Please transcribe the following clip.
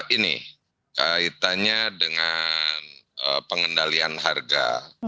ini kaitannya dengan pengendalian harga